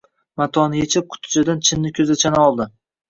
Matoni echib, qutichadan chinni ko`zachani oldi